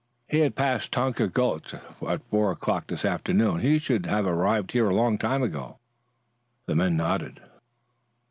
"He had passed Tonka Gulch at four o'clock this afternoon. He should have arrived here a long time ago." The men nodded.